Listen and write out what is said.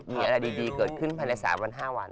มีอะไรดีเกิดขึ้นไปใน๓๕วัน